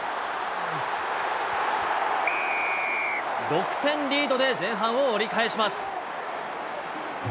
６点リードで前半を折り返します。